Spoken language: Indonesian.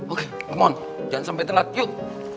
oke mohon jangan sampai telat yuk